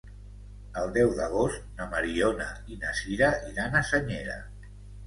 El deu d'agost na Mariona i na Sira iran a Senyera.